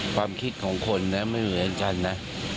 ความคิดของคนเนี่ยไม่เหมือนกันนะ